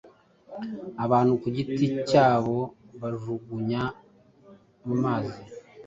abantu ku giti cyabo bajugunya mumazi.